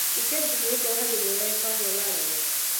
د چرګې مښوکه وهل د مرغیو پام ور واړاوه.